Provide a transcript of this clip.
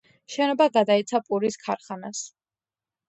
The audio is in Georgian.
შენობა გადაეცა პურის ქარხანას.